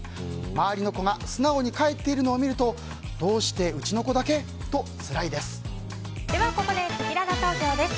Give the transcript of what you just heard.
周りの子が素直に帰っているのを見るとどうしてうちの子だけ？とつらいです。